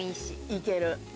いける。